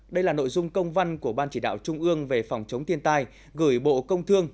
đây là nội dung công văn của ban chỉ đạo trung ương về phòng chống thiên tai gửi bộ công thương